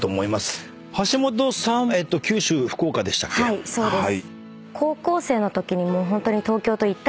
はいそうです。